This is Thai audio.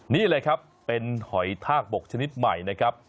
นี่เลยครับเป็นหอยทากบกชนิดใหม่นะครับ